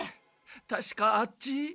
たしかあっち。